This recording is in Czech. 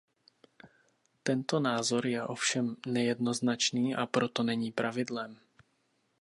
Tento názor je ovšem nejednoznačný a proto není pravidlem.